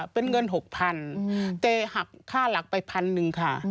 เป็นเงิน๖๐๐๐บาทแต่หักค่าหลักไป๑๐๐๐บาทค่ะ